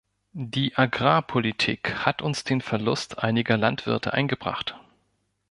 Die Agrarpolitik hat uns den Verlust einiger Landwirte eingebracht.